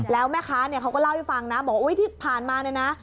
แล้วแม่ค้าเนี่ยเขาก็เล่าให้ฟังนะบอกว่าอุ๊ยที่ผ่านมาเนี่ยนะ